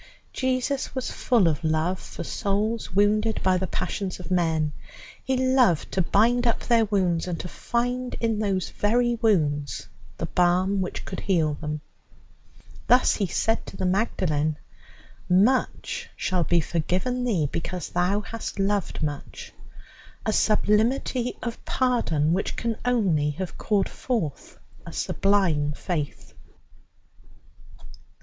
Jesus was full of love for souls wounded by the passions of men; he loved to bind up their wounds and to find in those very wounds the balm which should heal them. Thus he said to the Magdalen: "Much shall be forgiven thee because thou hast loved much," a sublimity of pardon which can only have called forth a sublime faith.